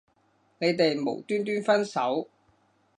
你哋無端端分手